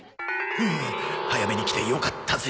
ふう早めに来てよかったぜ